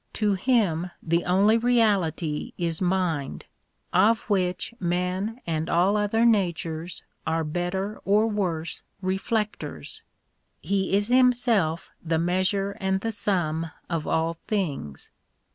To him the only reality is mind, of which men and all other natures are better or worse reflectors. He is himself the measure and the sum of all things.